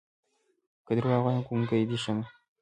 که دروغ وايم ګونګې دې شمه